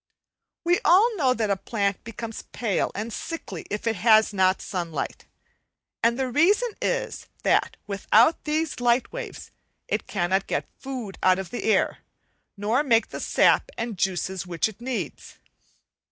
Week 6 We all know that a plant becomes pale and sickly if it has not sunlight, and the reason is, that without these light waves it cannot get food out of the air, nor make the sap and juices which it needs.